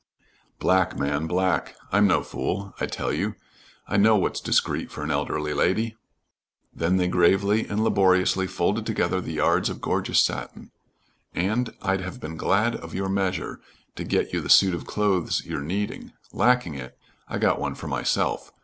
"Black, man, black. I'm no fool, I tell you. I know what's discreet for an elderly lady." Then they gravely and laboriously folded together the yards of gorgeous satin. "And I'd have been glad of your measure to get you the suit of clothes you're needing. Lacking it, I got one for myself.